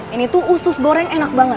ini tuh usus goreng enak banget